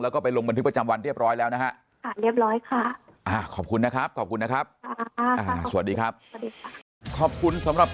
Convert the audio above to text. แล้วก็ไปลงบันทึกประจำวันเรียบร้อยแล้วนะฮะ